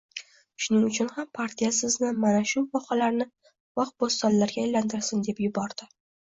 Shuning uchun ham partiya sizni mana shu vohalarni bog‘-bo‘stonlarga aylantirsin, deb yubordi.